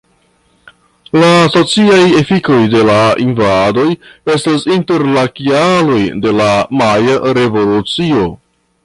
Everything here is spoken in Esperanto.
La sociaj efikoj de la invadoj estas inter la kialoj de la Maja Revolucio.